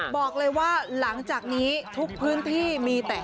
บอกเลยว่าหลังจากนี้ทุกพื้นที่มีแต่